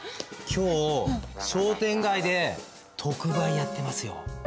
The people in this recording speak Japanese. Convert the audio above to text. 今日商店街で特売やってますよ。